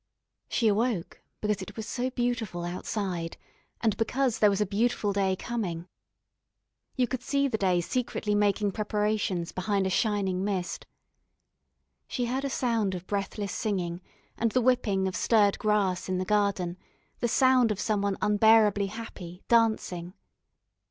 She awoke because it was so beautiful outside, and because there was a beautiful day coming. You could see the day secretly making preparations behind a shining mist. She heard a sound of breathless singing, and the whipping of stirred grass in the garden, the sound of some one unbearably happy, dancing.